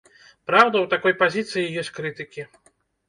Праўда, у такой пазіцыі ёсць крытыкі.